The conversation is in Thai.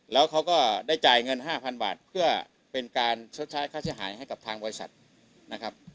แล้วเขาก็ได้จ่ายเงิน๕๐๐๐บาทเพื่อเป็นการชดใช้ค่าเสียหายให้กับทางบริษัทนะครับ